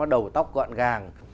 đầu tóc gọn gàng